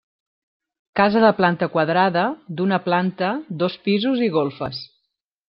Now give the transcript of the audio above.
Casa de planta quadrada, d'una planta, dos pisos i golfes.